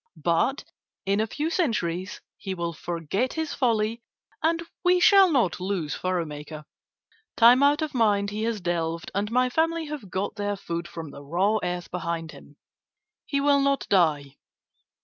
But in a few centuries he will forget his folly and we shall not lose furrow maker. Time out of mind he has delved and my family have got their food from the raw earth behind him. He will not die."